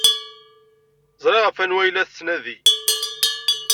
Ẓriɣ ɣef wanwa ay la tettnadi.